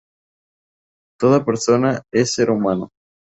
Toda persona es ser humano.